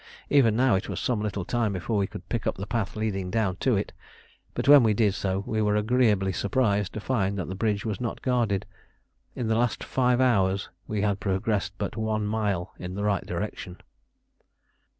Even now it was some little time before we could pick up the path leading down to it, but when we did so we were agreeably surprised to find that the bridge was not guarded. In the last five hours we had progressed but one mile in the right direction.